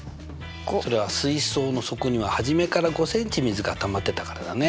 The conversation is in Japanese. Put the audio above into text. それは水槽の底には初めから５ｃｍ水がたまってたからだね。